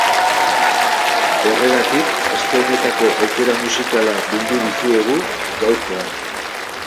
Horregatik, aste honetako aukera musikala bildu dizuegu, gaurkoan.